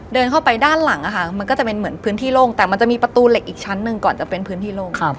เดินเข้าไปด้านหลังมันก็จะเป็นเหมือนพื้นที่โล่งแต่มันจะมีประตูเหล็กอีกชั้นหนึ่งก่อนจะเป็นพื้นที่โล่ง